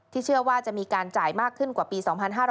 เชื่อว่าจะมีการจ่ายมากขึ้นกว่าปี๒๕๕๙